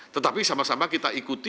tetapi sama sama kita ikuti